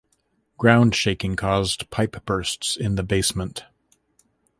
Ground shaking caused pipe bursts in the basement.